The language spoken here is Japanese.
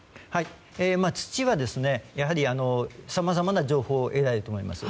土は、やはりさまざまな情報を得られると思います。